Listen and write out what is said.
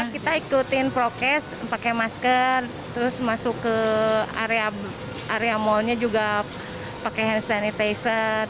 kita ikutin prokes pakai masker terus masuk ke area mallnya juga pakai hand sanitizer